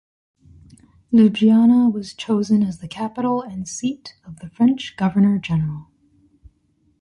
Ljubljana was chosen as the capital and seat of the French governor general.